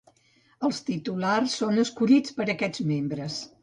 Els titulars són escollits per aquests membres.